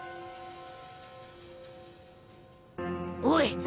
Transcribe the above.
おい！